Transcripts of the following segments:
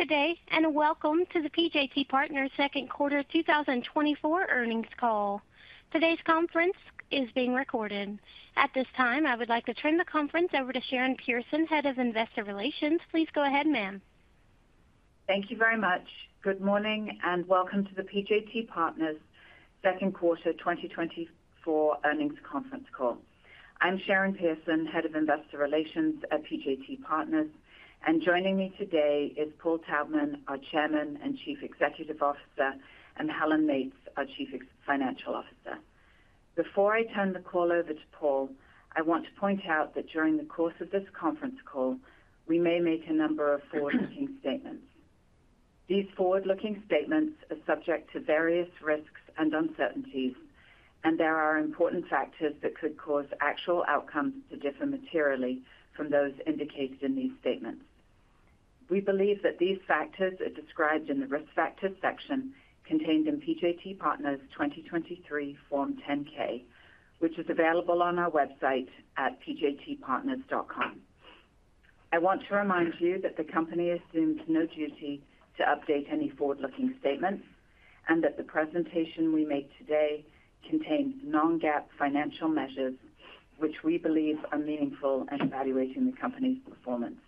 Good day, and welcome to the PJT Partners' Q2 2024 Earnings Call. Today's conference is being recorded. At this time, I would like to turn the conference over to Sharon Pearson, Head of Investor Relations. Please go ahead, ma'am. Thank you very much. Good morning, and welcome to the PJT Partners' Q2 2024 Earnings Conference Call. I'm Sharon Pearson, Head of Investor Relations at PJT Partners, and joining me today is Paul Taubman, our Chairman and Chief Executive Officer, and Helen Meates, our Chief Financial Officer. Before I turn the call over to Paul, I want to point out that during the course of this conference call, we may make a number of forward-looking statements. These forward-looking statements are subject to various risks and uncertainties, and there are important factors that could cause actual outcomes to differ materially from those indicated in these statements. We believe that these factors are described in the risk factors section contained in PJT Partners' 2023 Form 10-K, which is available on our website at pjtpartners.com. I want to remind you that the company assumes no duty to update any forward-looking statements and that the presentation we make today contains non-GAAP financial measures which we believe are meaningful in evaluating the company's performance.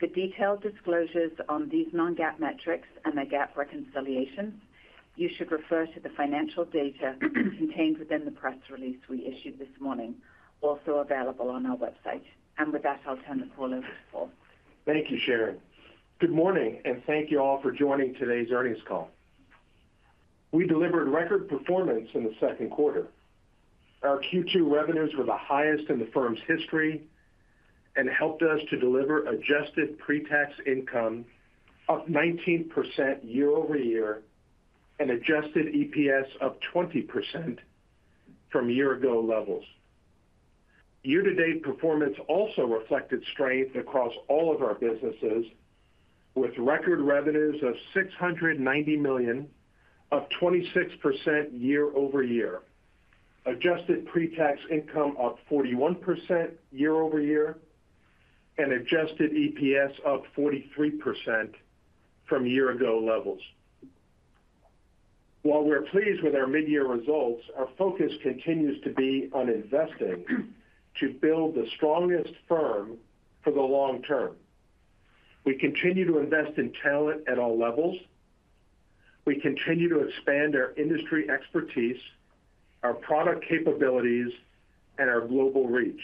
For detailed disclosures on these non-GAAP metrics and their GAAP reconciliations, you should refer to the financial data contained within the press release we issued this morning, also available on our website. And with that, I'll turn the call over to Paul. Thank you, Sharon. Good morning, and thank you all for joining today's earnings call. We delivered record performance in Q2. Our Q2 revenues were the highest in the firm's history and helped us to deliver adjusted pre-tax income of 19% year-over-year and adjusted EPS of 20% from year-ago levels. Year-to-date performance also reflected strength across all of our businesses, with record revenues of $690 million, up 26% year-over-year, adjusted pre-tax income of 41% year-over-year, and adjusted EPS of 43% from year-ago levels. While we're pleased with our mid-year results, our focus continues to be on investing to build the strongest firm for the long term. We continue to invest in talent at all levels. We continue to expand our industry expertise, our product capabilities, and our global reach.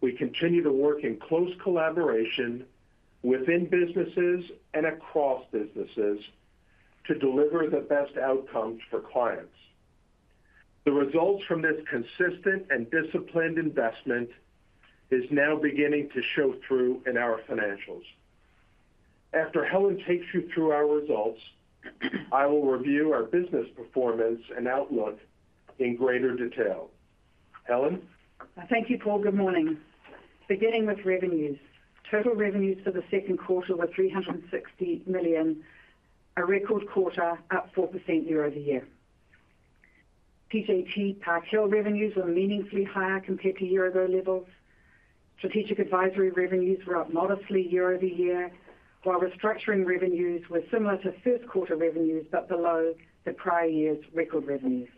We continue to work in close collaboration within businesses and across businesses to deliver the best outcomes for clients. The results from this consistent and disciplined investment are now beginning to show through in our financials. After Helen takes you through our results, I will review our business performance and outlook in greater detail. Helen. Thank you, Paul. Good morning. Beginning with revenues, total revenues for Q2 were $360 million, a record quarter, up 4% year-over-year. PJT Park Hill revenues were meaningfully higher compared to year-ago levels. Strategic Advisory revenues were up modestly year-over-year, while Restructuring revenues were similar to Q1 revenues but below the prior year's record revenues.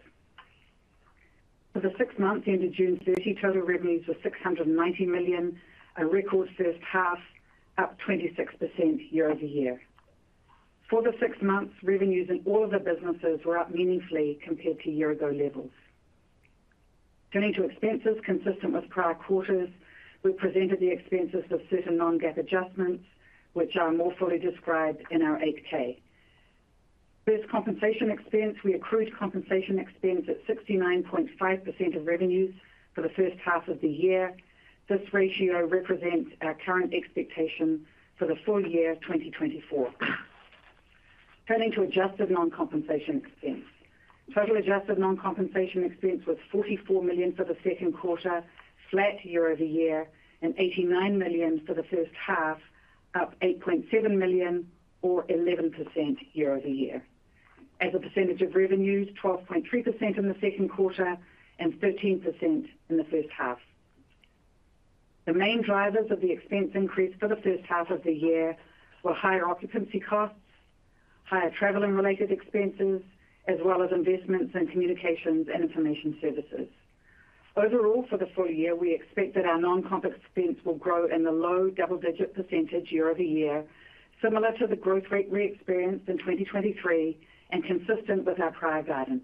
For the six months ended June, total revenues were $690 million, a record H1, up 26% year-over-year. For the six months, revenues in all of the businesses were up meaningfully compared to year-ago levels. Turning to expenses, consistent with prior quarters, we presented the expenses with certain non-GAAP adjustments, which are more fully described in our 8-K. First compensation expense, we accrued compensation expense at 69.5% of revenues for H1 of the year. This ratio represents our current expectation for the full year 2024. Turning to adjusted non-compensation expense, total adjusted non-compensation expense was $44 million for Q2, flat year-over-year, and $89 million for H1, up $8.7 million, or 11% year-over-year. As a percentage of revenues, 12.3% in Q2 and 13% in H1. The main drivers of the expense increase for H1 of the year were higher occupancy costs, higher traveling-related expenses, as well as investments in communications and information services. Overall, for the full year, we expect that our non-comp expense will grow in the low double-digit % year-over-year, similar to the growth rate we experienced in 2023 and consistent with our prior guidance.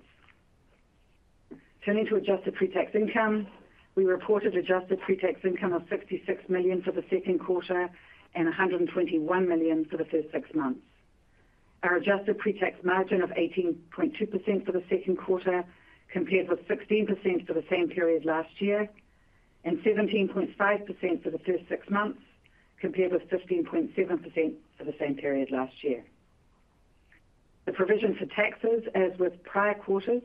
Turning to adjusted pre-tax income, we reported adjusted pre-tax income of $66 million for Q2 and $121 million for the first six months. Our adjusted pre-tax margin of 18.2% for Q2 compared with 16% for the same period last year and 17.5% for the first six months compared with 15.7% for the same period last year. The provision for taxes, as with prior quarters,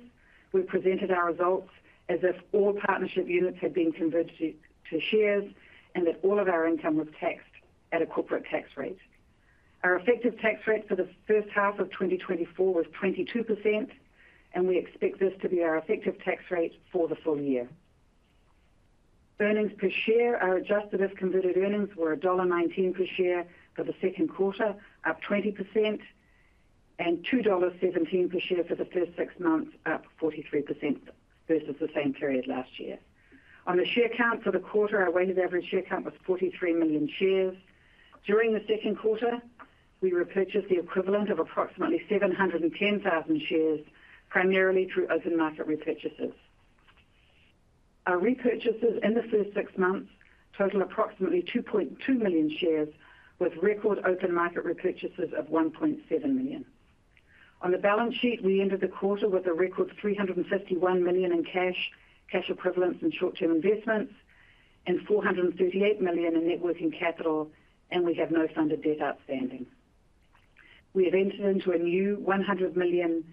we presented our results as if all partnership units had been converted to shares and that all of our income was taxed at a corporate tax rate. Our effective tax rate for H1 of 2024 was 22%, and we expect this to be our effective tax rate for the full year. Earnings per share, our adjusted as-if-converted earnings were $1.19 per share for Q2, up 20%, and $2.17 per share for the first six months, up 43% versus the same period last year. On the share count for the quarter, our weighted average share count was 43 million shares. During Q2, we repurchased the equivalent of approximately 710,000 shares, primarily through open market repurchases. Our repurchases in the first six months total approximately 2.2 million shares, with record open market repurchases of 1.7 million. On the balance sheet, we ended the quarter with a record $351 million in cash, cash equivalents and short-term investments, and $438 million in net working capital, and we have no funded debt outstanding. We have entered into a new $100 million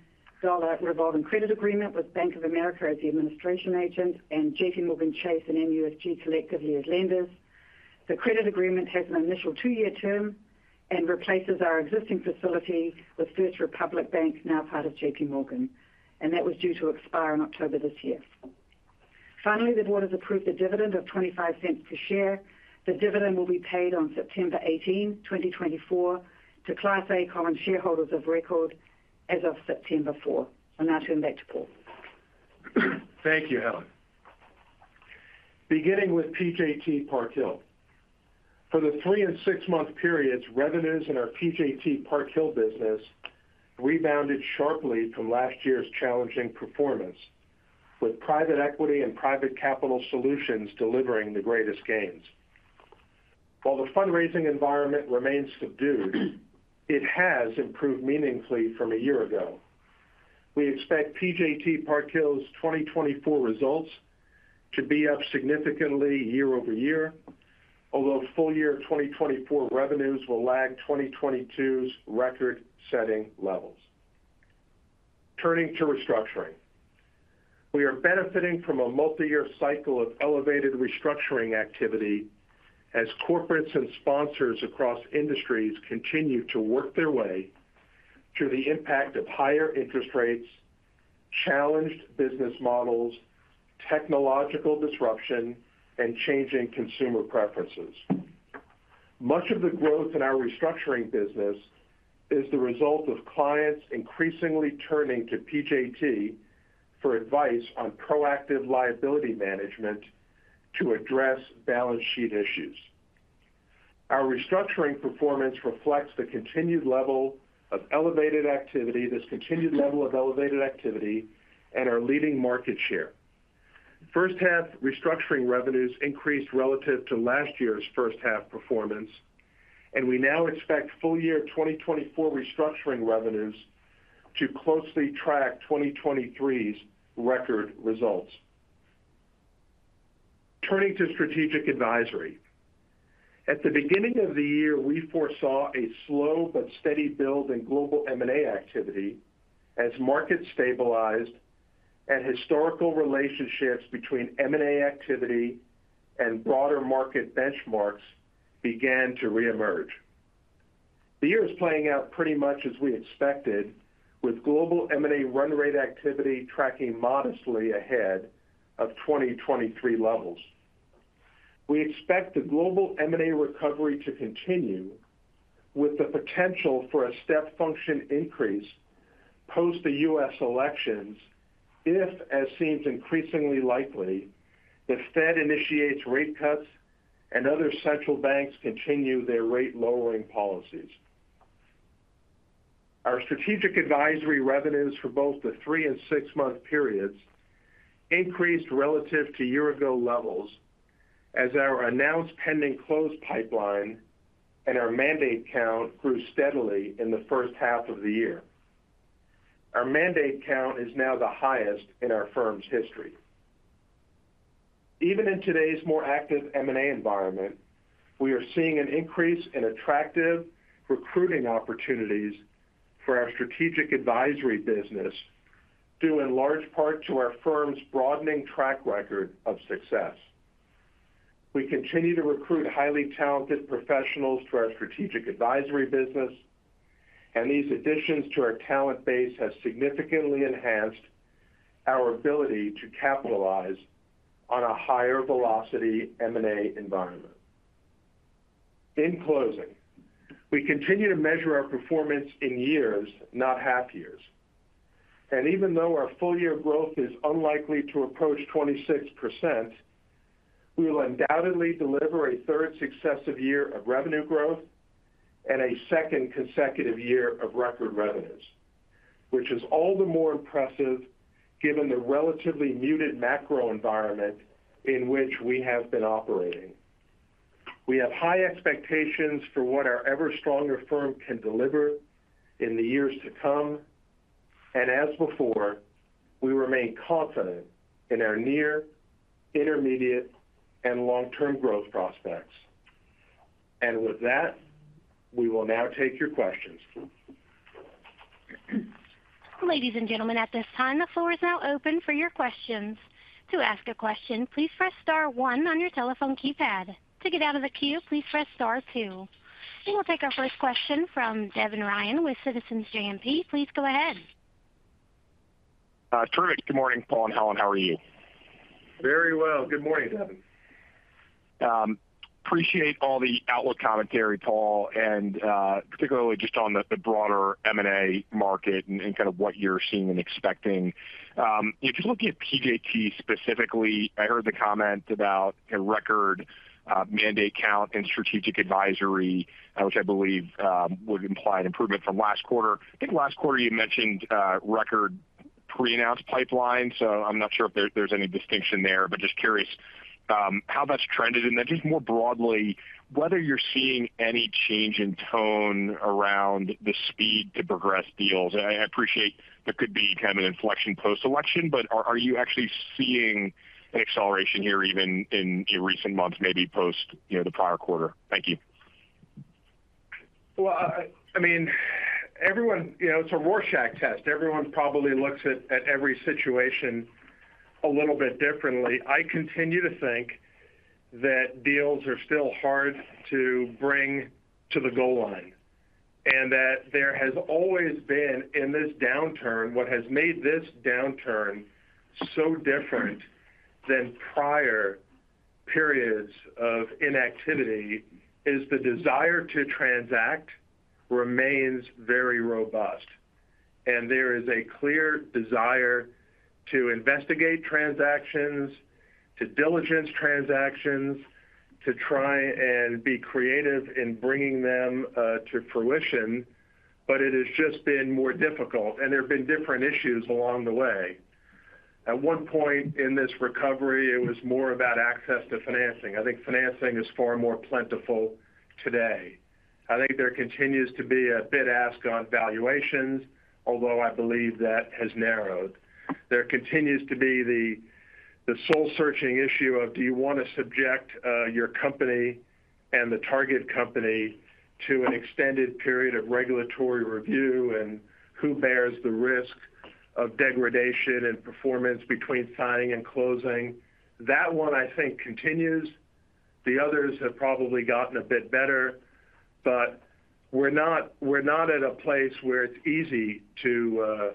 revolving credit agreement with Bank of America as the administrative agent and JPMorgan Chase and MUFG collectively as lenders. The credit agreement has an initial two-year term and replaces our existing facility with First Republic Bank, now part of JPMorgan, and that was due to expire in October this year. Finally, the board has approved a dividend of $0.25 per share. The dividend will be paid on September 18, 2024, to Class A common shareholders of record as of September 4. I'll now turn back to Paul. Thank you, Helen. Beginning with PJT Park Hill, for the 3- and 6-month periods, revenues in our PJT Park Hill business rebounded sharply from last year's challenging performance, with Private Equity and Private Capital Solutions delivering the greatest gains. While the fundraising environment remains subdued, it has improved meaningfully from a year ago. We expect PJT Park Hill's 2024 results to be up significantly year-over-year, although full year 2024 revenues will lag 2022's record-setting levels. Turning to Restructuring, we are benefiting from a multi-year cycle of elevated Restructuring activity as corporates and sponsors across industries continue to work their way through the impact of higher interest rates, challenged business models, technological disruption, and changing consumer preferences. Much of the growth in our Restructuring business is the result of clients increasingly turning to PJT for advice on proactive liability management to address balance sheet issues. Our Restructuring performance reflects the continued level of elevated activity, this continued level of elevated activity, and our leading market share. First-half Restructuring revenues increased relative to last year's first-half performance, and we now expect full year 2024 Restructuring revenues to closely track 2023's record results. Turning to Strategic Advisory, at the beginning of the year, we foresaw a slow but steady build in global M&A activity as markets stabilized and historical relationships between M&A activity and broader market benchmarks began to reemerge. The year is playing out pretty much as we expected, with global M&A run rate activity tracking modestly ahead of 2023 levels. We expect the global M&A recovery to continue with the potential for a step function increase post the U.S. elections if, as seems increasingly likely, the Fed initiates rate cuts and other central banks continue their rate-lowering policies. Our Strategic Advisory revenues for both the three and six-month periods increased relative to year-ago levels as our announced pending close pipeline and our mandate count grew steadily in H1 of the year. Our mandate count is now the highest in our firm's history. Even in today's more active M&A environment, we are seeing an increase in attractive recruiting opportunities for our Strategic Advisory business due in large part to our firm's broadening track record of success. We continue to recruit highly talented professionals to our Strategic Advisory business, and these additions to our talent base have significantly enhanced our ability to capitalize on a higher velocity M&A environment. In closing, we continue to measure our performance in years, not half years. And even though our full-year growth is unlikely to approach 26%, we will undoubtedly deliver a third successive year of revenue growth and a second consecutive year of record revenues, which is all the more impressive given the relatively muted macro environment in which we have been operating. We have high expectations for what our ever-stronger firm can deliver in the years to come, and as before, we remain confident in our near, intermediate, and long-term growth prospects. And with that, we will now take your questions. Ladies and gentlemen, at this time, the floor is now open for your questions. To ask a question, please press star one on your telephone keypad. To get out of the queue, please press star two. We'll take our first question from Devin Ryan with Citizens JMP. Please go ahead. Terrific. Good morning, Paul and Helen. How are you? Very well. Good morning, Devin. Appreciate all the outlook commentary, Paul, and particularly just on the broader M&A market and kind of what you're seeing and expecting. If you're looking at PJT specifically, I heard the comment about a record Mandate Count and Strategic Advisory, which I believe would imply an improvement from last quarter. I think last quarter you mentioned record pre-announced pipeline, so I'm not sure if there's any distinction there, but just curious how that's trended and then just more broadly whether you're seeing any change in tone around the speed to progress deals. I appreciate there could be kind of an inflection post-election, but are you actually seeing an acceleration here even in recent months, maybe post the prior quarter? Thank you. Well, I mean, it's a Rorschach test. Everyone probably looks at every situation a little bit differently. I continue to think that deals are still hard to bring to the goal line and that there has always been, in this downturn, what has made this downturn so different than prior periods of inactivity is the desire to transact remains very robust. And there is a clear desire to investigate transactions, to diligence transactions, to try and be creative in bringing them to fruition, but it has just been more difficult, and there have been different issues along the way. At one point in this recovery, it was more about access to financing. I think financing is far more plentiful today. I think there continues to be a bid-ask on valuations, although I believe that has narrowed. There continues to be the soul-searching issue of, do you want to subject your company and the target company to an extended period of regulatory review and who bears the risk of degradation and performance between signing and closing? That one, I think, continues. The others have probably gotten a bit better, but we're not at a place where it's easy to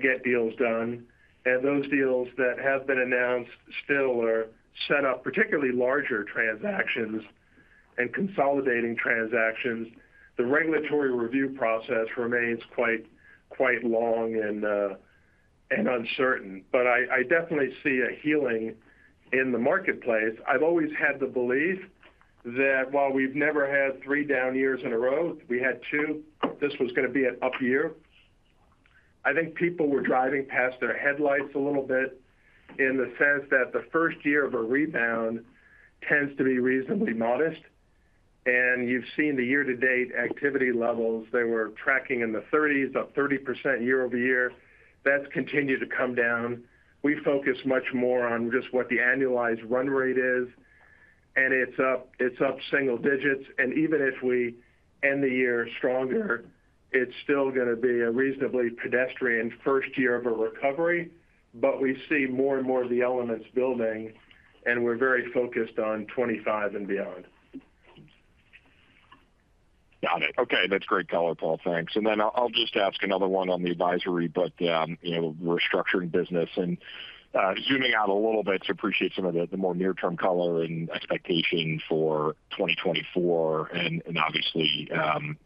get deals done, and those deals that have been announced still are set up, particularly larger transactions and consolidating transactions. The regulatory review process remains quite long and uncertain, but I definitely see a healing in the marketplace. I've always had the belief that while we've never had three down years in a row, we had two, this was going to be an up year. I think people were driving past their headlights a little bit in the sense that the first year of a rebound tends to be reasonably modest, and you've seen the year-to-date activity levels. They were tracking in the 30s, up 30% year-over-year. That's continued to come down. We focus much more on just what the annualized run rate is, and it's up single digits. Even if we end the year stronger, it's still going to be a reasonably pedestrian first year of a recovery, but we see more and more of the elements building, and we're very focused on 2025 and beyond. Got it. Okay. That's great color, Paul. Thanks. And then I'll just ask another one on the advisory, but restructuring business and zooming out a little bit to appreciate some of the more near-term color and expectation for 2024, and obviously,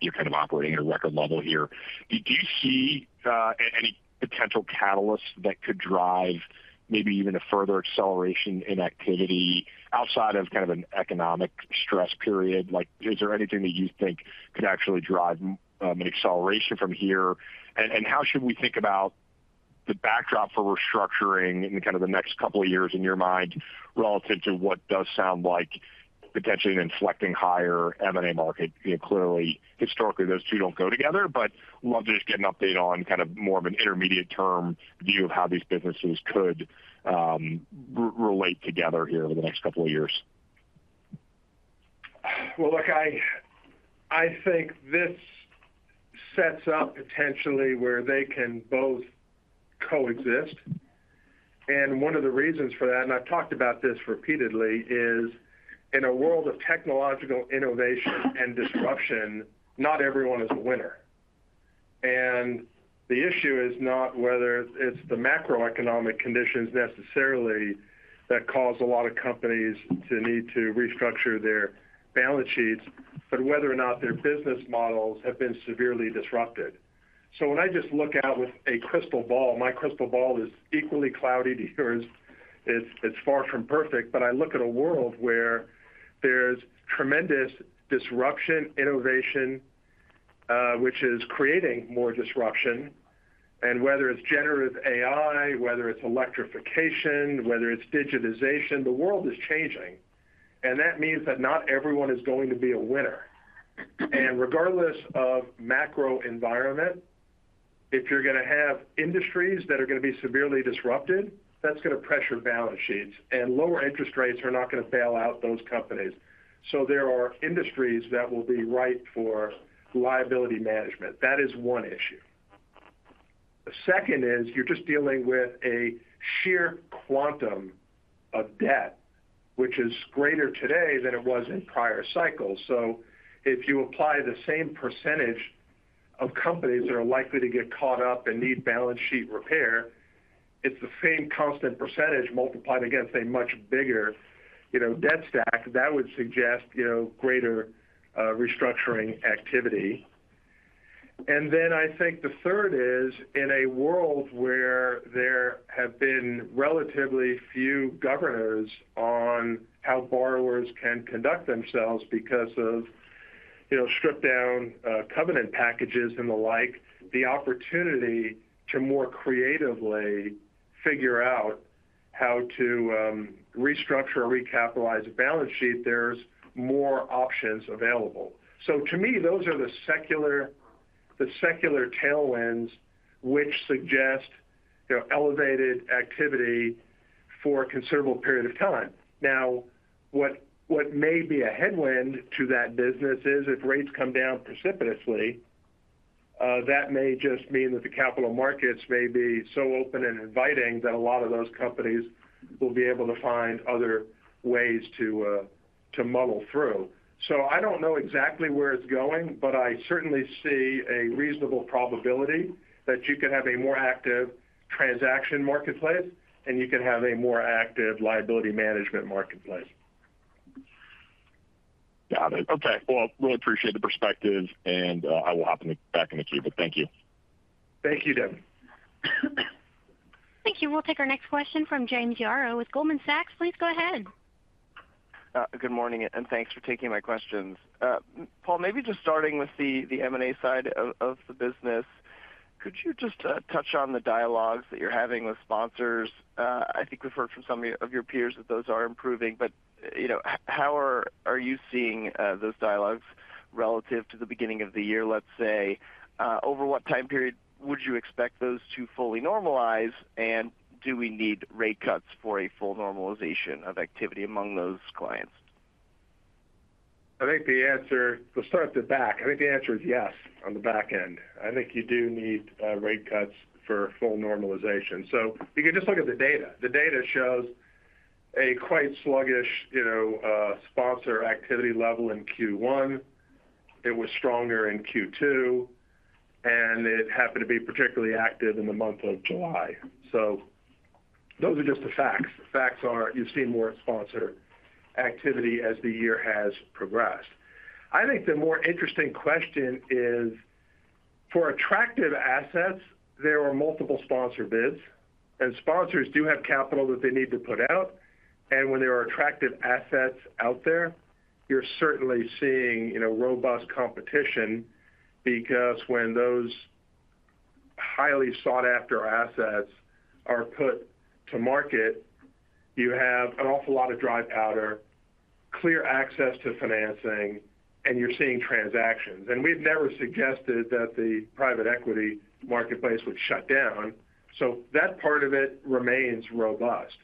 you're kind of operating at a record level here. Do you see any potential catalysts that could drive maybe even a further acceleration in activity outside of kind of an economic stress period? Is there anything that you think could actually drive an acceleration from here? And how should we think about the backdrop for restructuring in kind of the next couple of years in your mind relative to what does sound like potentially an inflecting higher M&A market? Clearly, historically, those two don't go together, but I'd love to just get an update on kind of more of an intermediate-term view of how these businesses could relate together here over the next couple of years. Well, look, I think this sets up potentially where they can both coexist. And one of the reasons for that, and I've talked about this repeatedly, is in a world of technological innovation and disruption, not everyone is a winner. And the issue is not whether it's the macroeconomic conditions necessarily that cause a lot of companies to need to restructure their balance sheets, but whether or not their business models have been severely disrupted. So when I just look out with a crystal ball, my crystal ball is equally cloudy to yours. It's far from perfect, but I look at a world where there's tremendous disruption, innovation, which is creating more disruption, and whether it's generative AI, whether it's electrification, whether it's digitization, the world is changing. And that means that not everyone is going to be a winner. And regardless of macro environment, if you're going to have industries that are going to be severely disrupted, that's going to pressure balance sheets, and lower interest rates are not going to bail out those companies. So there are industries that will be ripe for liability management. That is one issue. The second is you're just dealing with a sheer quantum of debt, which is greater today than it was in prior cycles. So if you apply the same percentage of companies that are likely to get caught up and need balance sheet repair, it's the same constant percentage multiplied against a much bigger debt stack that would suggest greater restructuring activity. And then I think the third is in a world where there have been relatively few governors on how borrowers can conduct themselves because of stripped-down covenant packages and the like. The opportunity to more creatively figure out how to restructure or recapitalize a balance sheet—there's more options available. So to me, those are the secular tailwinds which suggest elevated activity for a considerable period of time. Now, what may be a headwind to that business is if rates come down precipitously. That may just mean that the capital markets may be so open and inviting that a lot of those companies will be able to find other ways to muddle through. So I don't know exactly where it's going, but I certainly see a reasonable probability that you could have a more active transaction marketplace, and you could have a more active liability management marketplace. Got it. Okay. Well, I really appreciate the perspective, and I will hop back in the queue, but thank you. Thank you, Devin. Thank you. We'll take our next question from James Yaro with Goldman Sachs. Please go ahead. Good morning, and thanks for taking my questions. Paul, maybe just starting with the M&A side of the business, could you just touch on the dialogues that you're having with sponsors? I think we've heard from some of your peers that those are improving, but how are you seeing those dialogues relative to the beginning of the year, let's say? Over what time period would you expect those to fully normalize, and do we need rate cuts for a full normalization of activity among those clients? I think the answer, let's start at the back. I think the answer is yes on the back end. I think you do need rate cuts for full normalization. So you can just look at the data. The data shows a quite sluggish sponsor activity level in Q1. It was stronger in Q2, and it happened to be particularly active in the month of July. So those are just the facts. The facts are you've seen more sponsor activity as the year has progressed. I think the more interesting question is, for attractive assets, there are multiple sponsor bids, and sponsors do have capital that they need to put out. And when there are attractive assets out there, you're certainly seeing robust competition because when those highly sought-after assets are put to market, you have an awful lot of dry powder, clear access to financing, and you're seeing transactions. We've never suggested that the private equity marketplace would shut down. That part of it remains robust.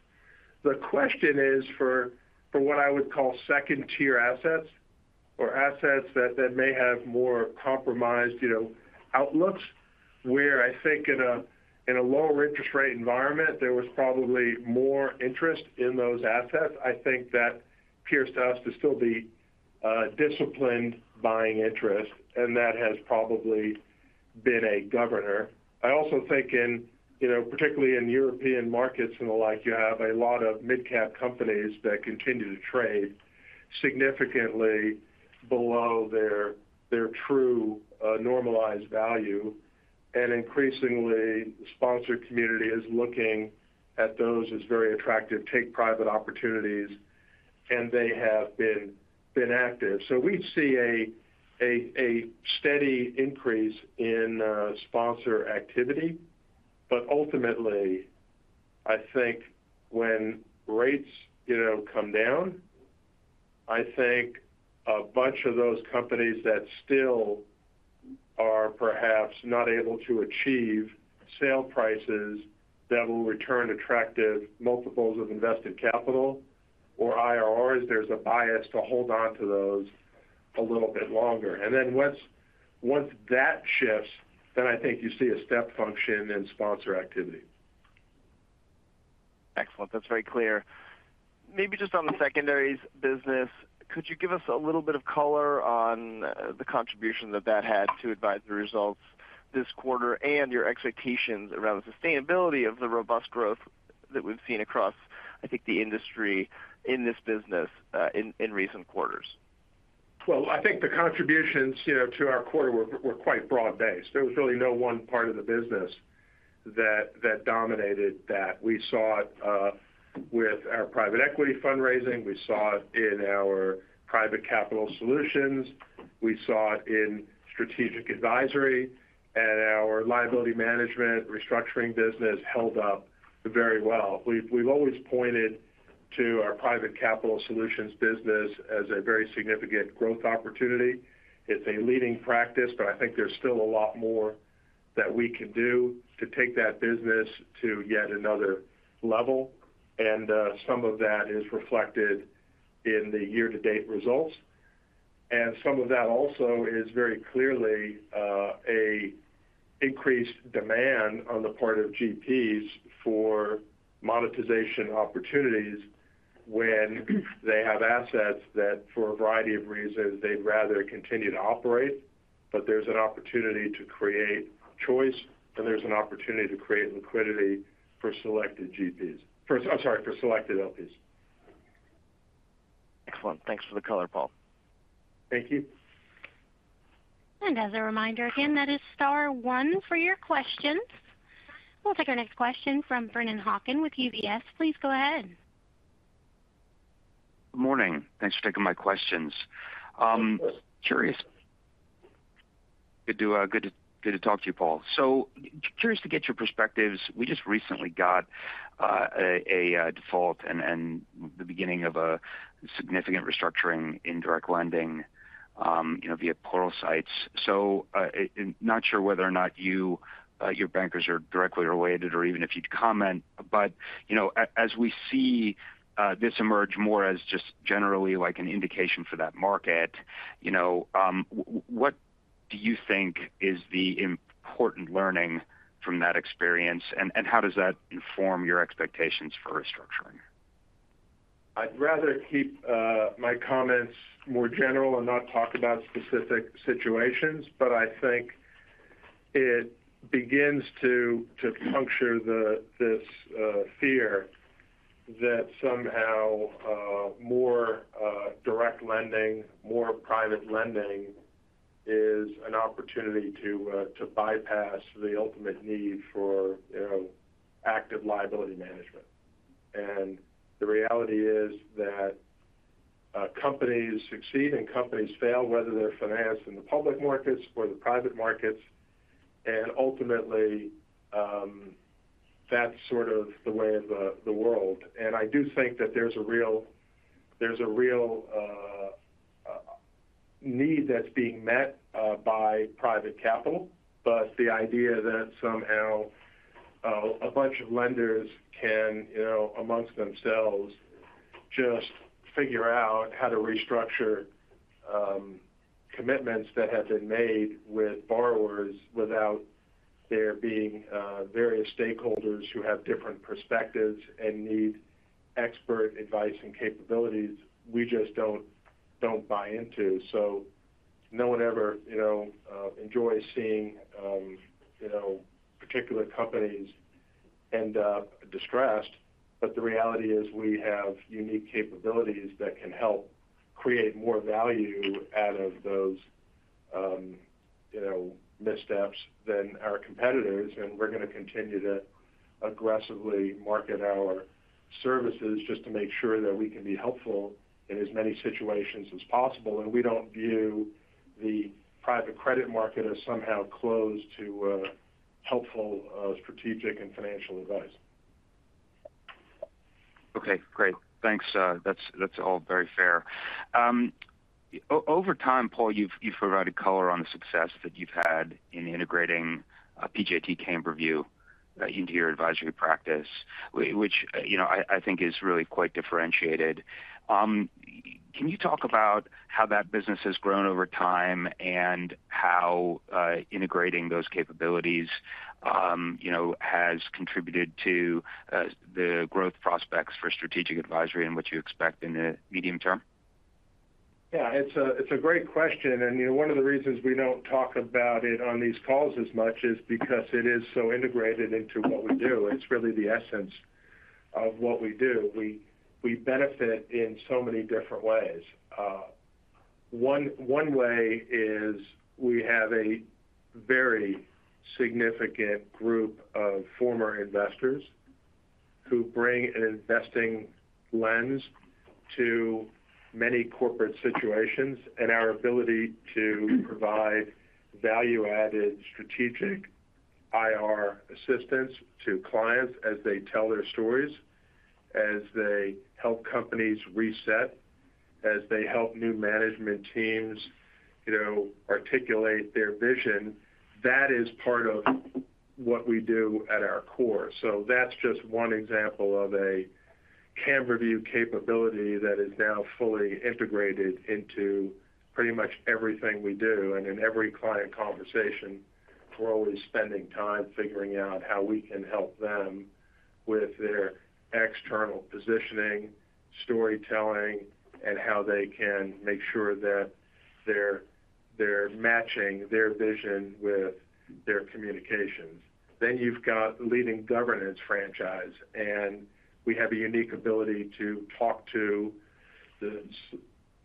The question is for what I would call second-tier assets or assets that may have more compromised outlooks, where I think in a lower interest rate environment, there was probably more interest in those assets. I think that appears to us to still be disciplined buying interest, and that has probably been a governor. I also think, particularly in European markets and the like, you have a lot of mid-cap companies that continue to trade significantly below their true normalized value, and increasingly, the sponsor community is looking at those as very attractive take-private opportunities, and they have been active. So we see a steady increase in sponsor activity, but ultimately, I think when rates come down, I think a bunch of those companies that still are perhaps not able to achieve sale prices that will return attractive multiples of invested capital or IRRs, there's a bias to hold on to those a little bit longer. And then once that shifts, then I think you see a step function in sponsor activity. Excellent. That's very clear. Maybe just on the secondaries business, could you give us a little bit of color on the contribution that that had to advisory results this quarter and your expectations around the sustainability of the robust growth that we've seen across, I think, the industry in this business in recent quarters? Well, I think the contributions to our quarter were quite broad-based. There was really no one part of the business that dominated that. We saw it with our private equity fundraising. We saw it in our private capital solutions. We saw it in strategic advisory, and our liability management restructuring business held up very well. We've always pointed to our private capital solutions business as a very significant growth opportunity. It's a leading practice, but I think there's still a lot more that we can do to take that business to yet another level. And some of that is reflected in the year-to-date results. Some of that also is very clearly an increased demand on the part of GPs for monetization opportunities when they have assets that, for a variety of reasons, they'd rather continue to operate, but there's an opportunity to create choice, and there's an opportunity to create liquidity for selected GPs. I'm sorry, for selected LPs. Excellent. Thanks for the color, Paul. Thank you. As a reminder again, that is star one for your questions. We'll take our next question from Brennan Hawken with UBS. Please go ahead. Good morning. Thanks for taking my questions. Curious. Good to talk to you, Paul. So curious to get your perspectives. We just recently got a default and the beginning of a significant restructuring in direct lending via Pluralsight. So not sure whether or not you, your bankers, are directly related or even if you'd comment, but as we see this emerge more as just generally like an indication for that market, what do you think is the important learning from that experience, and how does that inform your expectations for restructuring? I'd rather keep my comments more general and not talk about specific situations, but I think it begins to puncture this fear that somehow more direct lending, more private lending is an opportunity to bypass the ultimate need for active liability management. And the reality is that companies succeed and companies fail, whether they're financed in the public markets or the private markets, and ultimately, that's sort of the way of the world. And I do think that there's a real need that's being met by private capital, but the idea that somehow a bunch of lenders can, amongst themselves, just figure out how to restructure commitments that have been made with borrowers without there being various stakeholders who have different perspectives and need expert advice and capabilities we just don't buy into. No one ever enjoys seeing particular companies end up distressed, but the reality is we have unique capabilities that can help create more value out of those missteps than our competitors, and we're going to continue to aggressively market our services just to make sure that we can be helpful in as many situations as possible. We don't view the private credit market as somehow closed to helpful strategic and financial advice. Okay. Great. Thanks. That's all very fair. Over time, Paul, you've provided color on the success that you've had in integrating PJT Camberview into your advisory practice, which I think is really quite differentiated. Can you talk about how that business has grown over time and how integrating those capabilities has contributed to the growth prospects for Strategic Advisory and what you expect in the medium term? Yeah. It's a great question. One of the reasons we don't talk about it on these calls as much is because it is so integrated into what we do. It's really the essence of what we do. We benefit in so many different ways. One way is we have a very significant group of former investors who bring an investing lens to many corporate situations and our ability to provide value-added strategic IR assistance to clients as they tell their stories, as they help companies reset, as they help new management teams articulate their vision. That is part of what we do at our core. So that's just one example of a Camberview capability that is now fully integrated into pretty much everything we do. In every client conversation, we're always spending time figuring out how we can help them with their external positioning, storytelling, and how they can make sure that they're matching their vision with their communications. You've got the leading governance franchise, and we have a unique ability to talk to the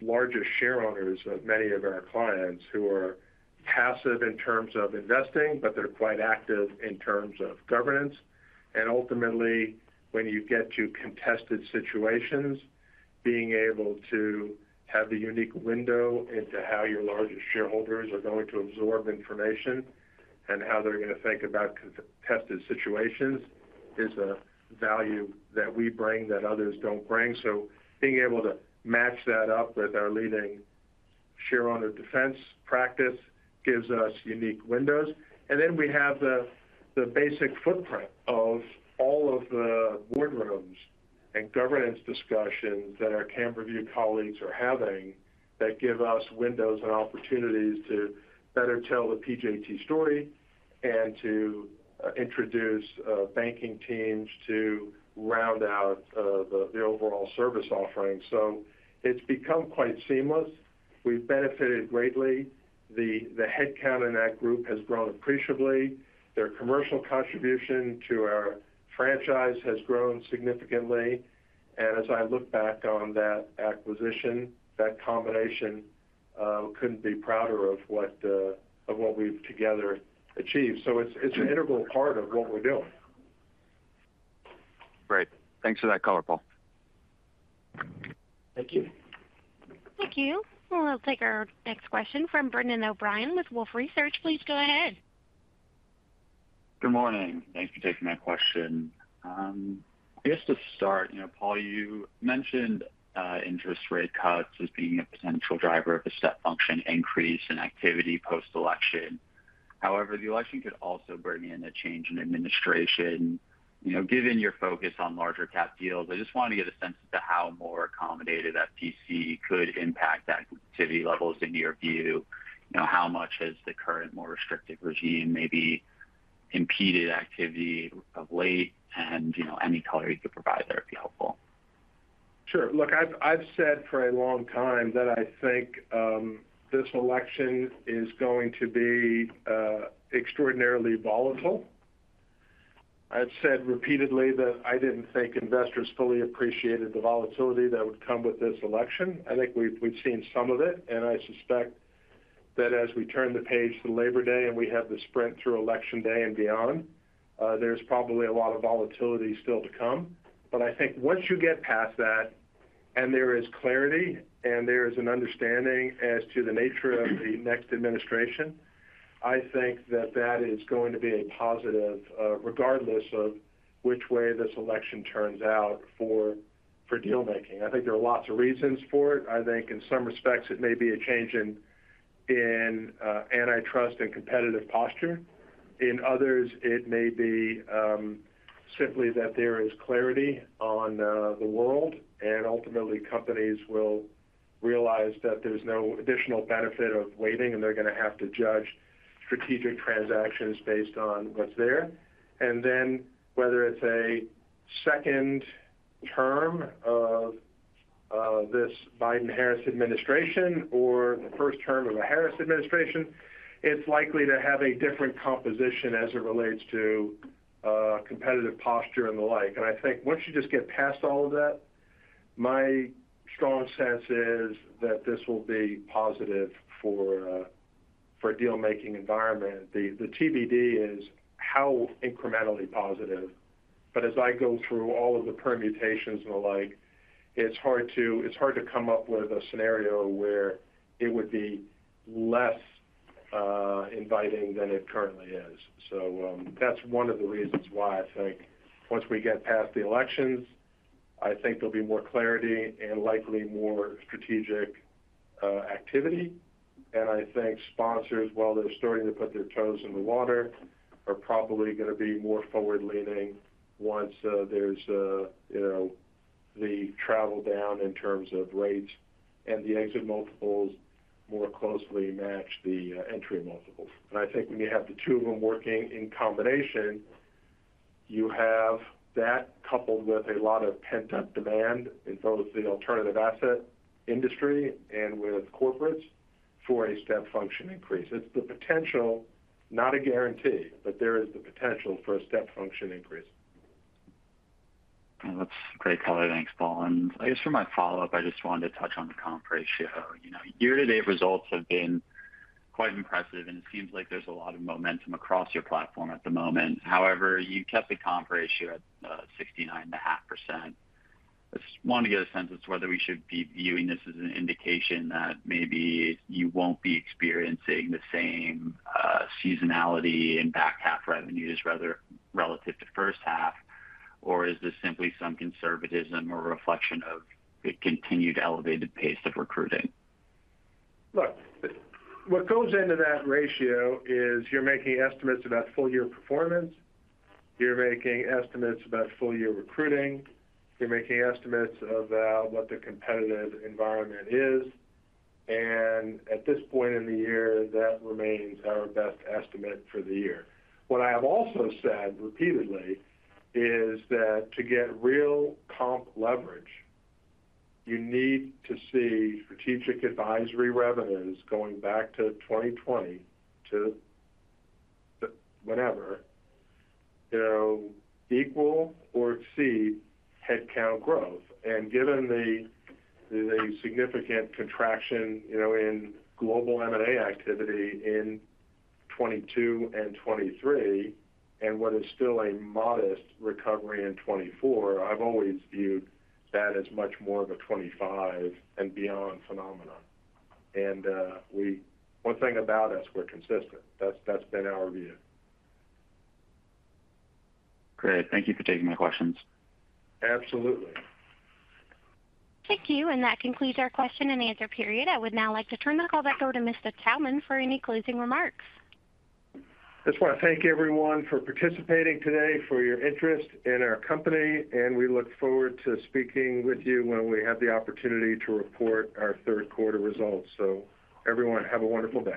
largest share owners of many of our clients who are passive in terms of investing, but they're quite active in terms of governance. Ultimately, when you get to contested situations, being able to have the unique window into how your largest shareholders are going to absorb information and how they're going to think about contested situations is a value that we bring that others don't bring. Being able to match that up with our leading shareholder defense practice gives us unique windows. And then we have the basic footprint of all of the boardrooms and governance discussions that our Camberview colleagues are having that give us windows and opportunities to better tell the PJT story and to introduce banking teams to round out the overall service offering. So it's become quite seamless. We've benefited greatly. The headcount in that group has grown appreciably. Their commercial contribution to our franchise has grown significantly. And as I look back on that acquisition, that combination couldn't be prouder of what we've together achieved. So it's an integral part of what we're doing. Great. Thanks for that color, Paul. Thank you. Thank you. We'll take our next question from Brendan O'Brien with Wolfe Research. Please go ahead. Good morning. Thanks for taking my question. Just to start, Paul, you mentioned interest rate cuts as being a potential driver of a step function increase in activity post-election. However, the election could also bring in a change in administration. Given your focus on larger cap deals, I just wanted to get a sense as to how a more accommodating FTC could impact activity levels in your view. How much has the current more restrictive regime maybe impeded activity of late? And any color you could provide there would be helpful. Sure. Look, I've said for a long time that I think this election is going to be extraordinarily volatile. I've said repeatedly that I didn't think investors fully appreciated the volatility that would come with this election. I think we've seen some of it, and I suspect that as we turn the page to Labor Day and we have the sprint through Election Day and beyond, there's probably a lot of volatility still to come. But I think once you get past that and there is clarity and there is an understanding as to the nature of the next administration, I think that that is going to be a positive regardless of which way this election turns out for dealmaking. I think there are lots of reasons for it. I think in some respects, it may be a change in antitrust and competitive posture. In others, it may be simply that there is clarity on the world, and ultimately, companies will realize that there's no additional benefit of waiting, and they're going to have to judge strategic transactions based on what's there. And then whether it's a second term of this Biden-Harris administration or the first term of a Harris administration, it's likely to have a different composition as it relates to competitive posture and the like. And I think once you just get past all of that, my strong sense is that this will be positive for a dealmaking environment. The TBD is how incrementally positive, but as I go through all of the permutations and the like, it's hard to come up with a scenario where it would be less inviting than it currently is. So that's one of the reasons why I think once we get past the elections, I think there'll be more clarity and likely more strategic activity. And I think sponsors, while they're starting to put their toes in the water, are probably going to be more forward-leaning once there's the travel down in terms of rates and the exit multiples more closely match the entry multiples. And I think when you have the two of them working in combination, you have that coupled with a lot of pent-up demand in both the alternative asset industry and with corporates for a step function increase. It's the potential, not a guarantee, but there is the potential for a step function increase. That's great color. Thanks, Paul. And I guess for my follow-up, I just wanted to touch on the comp ratio. Year-to-date results have been quite impressive, and it seems like there's a lot of momentum across your platform at the moment. However, you kept the comp ratio at 69.5%. I just wanted to get a sense as to whether we should be viewing this as an indication that maybe you won't be experiencing the same seasonality in back half revenues relative to H1, or is this simply some conservatism or reflection of the continued elevated pace of recruiting? Look, what goes into that ratio is you're making estimates about full-year performance. You're making estimates about full-year recruiting. You're making estimates about what the competitive environment is. And at this point in the year, that remains our best estimate for the year. What I have also said repeatedly is that to get real comp leverage, you need to see strategic advisory revenues going back to 2020 to whenever equal or exceed headcount growth. And given the significant contraction in global M&A activity in 2022 and 2023 and what is still a modest recovery in 2024, I've always viewed that as much more of a 2025 and beyond phenomenon. And one thing about us, we're consistent. That's been our view. Great. Thank you for taking my questions. Absolutely. Thank you. That concludes our question and answer period. I would now like to turn the call back over to Mr. Taubman for any closing remarks. I just want to thank everyone for participating today, for your interest in our company, and we look forward to speaking with you when we have the opportunity to report our third quarter results. So everyone, have a wonderful day.